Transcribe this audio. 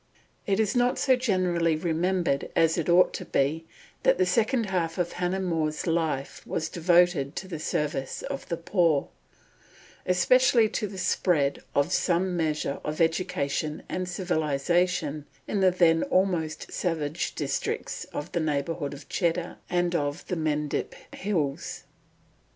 It is not so generally remembered as it ought to be, that the second half of Hannah More's life was devoted to the service of the poor, especially to the spread of some measure of education and civilisation in the then almost savage districts in the neighbourhood of Cheddar, and of the Mendip Hills.